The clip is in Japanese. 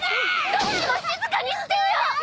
どっちも静かにしてよ！